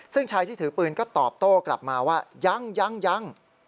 ซึ่งชายที่ถือปืนก็ตอบโต้กลับมาว่ายังยัง